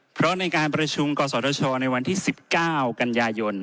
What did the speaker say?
เพราะในการประชุมกศชในวันที่๑๙กันยายน